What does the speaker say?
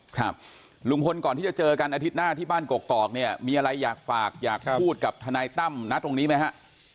ครับลุงพลก่อนที่จะเจอกันอาทิตย์หน้าที่บ้านกอกเนี่ยมีอะไรอยากฝากอยากพูดกับทนายตั้มนะตรงนี้ไหมฮะ